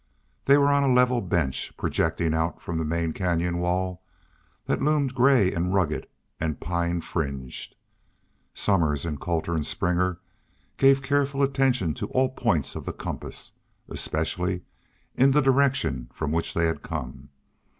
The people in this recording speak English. They were on a level bench, projecting out from the main canyon wall that loomed gray and rugged and pine fringed. Somers and Cotter and Springer gave careful attention to all points of the compass, especially in the direction from which they had come.